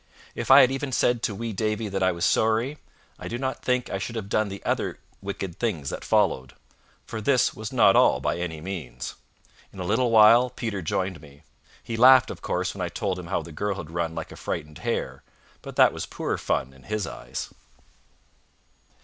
If I had even said to wee Davie that I was sorry, I do not think I should have done the other wicked things that followed; for this was not all by any means. In a little while Peter joined me. He laughed, of course, when I told him how the girl had run like a frighted hare, but that was poor fun in his eyes.